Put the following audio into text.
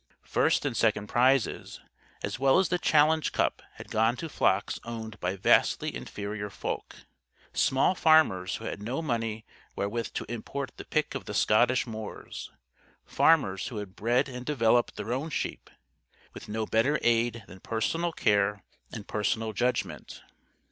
First and second prizes, as well as the challenge cup had gone to flocks owned by vastly inferior folk small farmers who had no money wherewith to import the pick of the Scottish moors farmers who had bred and developed their own sheep, with no better aid than personal care and personal judgment.